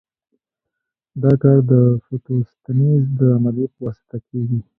دا کار د فوتو سنتیز د عملیې په واسطه کیږي.